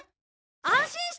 安心して！